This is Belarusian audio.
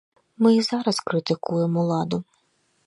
Мы і зараз крытыкуем уладу.